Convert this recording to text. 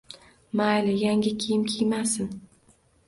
Mayli, yangi kiyim kiymasin